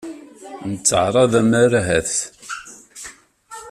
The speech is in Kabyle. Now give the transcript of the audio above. Nettɛaraḍ ammar ahat.